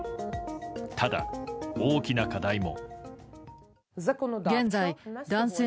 ただ、大きな課題も。